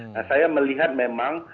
nah saya melihat memang